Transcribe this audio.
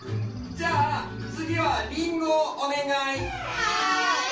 じゃあつぎはリンゴをおねがい。